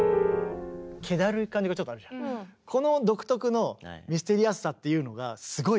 この独特のミステリアスさっていうのがすごいある気がする。